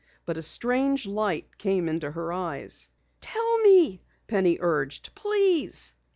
But a strange light came into her eyes. "Tell me," Penny urged. "Please."